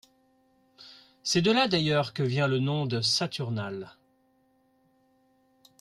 C’est de là d’ailleurs que vient le nom de saturnales.